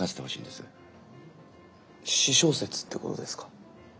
私小説ってことですか？